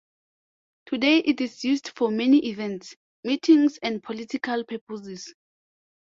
Today it is used for many events, meetings, and political purposes.